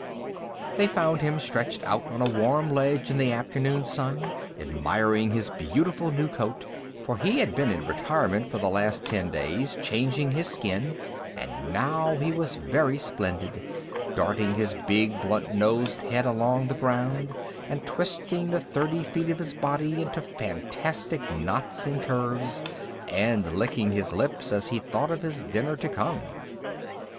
They found him stretched out on a warm ledge in the afternoon sun, admiring his beautiful new coat, for he had been in retirement for the last ten days changing his skin, and now he was very splendid darting his big blunt nosed head along the ground, and twisting the thirty feet of his body into fantastic knots and curves, and licking his lips as he thought of his dinner to come.